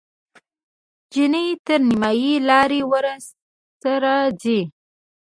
چیني تر نیمایي لارې ورسره ځي.